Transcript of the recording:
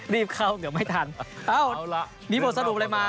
รีบเข้าเดี๋ยวไม่ทันเอ้าเอาล่ะมีบทสรุปเลยมา